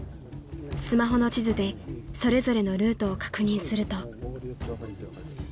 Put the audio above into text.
［スマホの地図でそれぞれのルートを確認すると］